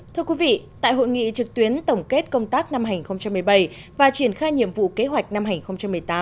thưa quý vị tại hội nghị trực tuyến tổng kết công tác năm hai nghìn một mươi bảy và triển khai nhiệm vụ kế hoạch năm hai nghìn một mươi tám